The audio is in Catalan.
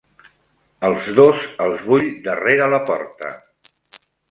Els dos, els vull darrere la porta.